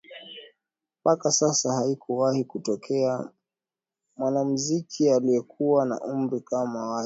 Mpaka sasa haikuwahi kutokea mwanamuziki aliyekuwa na umri kama wake